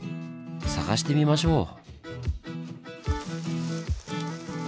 探してみましょう！